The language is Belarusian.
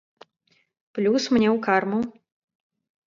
Плюс мне ў карму.